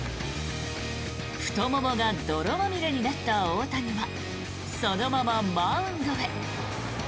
太ももが泥まみれになった大谷はそのままマウンドへ。